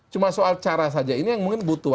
cuma soal cara saja ini yang mungkin butuh